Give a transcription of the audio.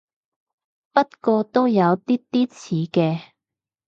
不過都有啲啲似嘅